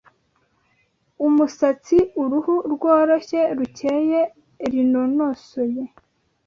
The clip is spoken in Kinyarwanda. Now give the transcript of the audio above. umusatsi, Uruhu rworoshye rucyeye, Rinonosoye,